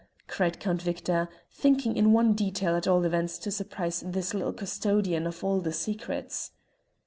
cried Count Victor, thinking in one detail at all events to surprise this little custodian of all the secrets.